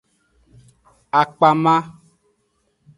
Akpama.